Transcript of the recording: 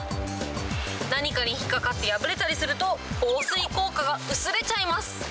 何かに引っ掛かって破れたりすると、防水効果が薄れちゃいます。